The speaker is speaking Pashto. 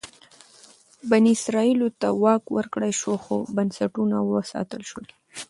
بني اسرائیلو ته واک ورکړل شو خو بنسټونه وساتل شول.